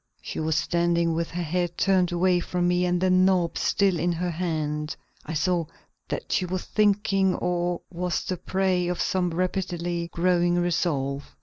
She was standing with her head turned away from me and the knob still in her hand. I saw that she was thinking or was the prey of some rapidly growing resolve.